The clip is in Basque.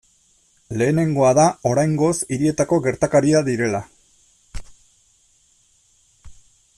Lehenengoa da oraingoz hirietako gertakaria direla.